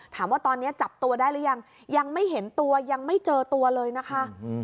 ถามว่าตอนนี้จับตัวได้หรือยังยังไม่เห็นตัวยังไม่เจอตัวเลยนะคะ